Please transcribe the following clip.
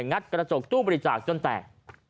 งัดกระจกตู้บริจาคจนแตก